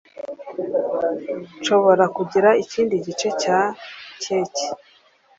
Nshobora kugira ikindi gice cya keke?